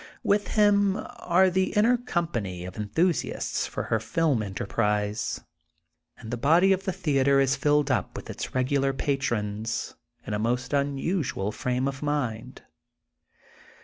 With him are the inner company of enthusiasts for her film en terprise. And the body of the theatre is filled THE GOLDEN BOOK OF SPRINGFIELD 41 np with its regular patrons, in a most unusual frame of mind.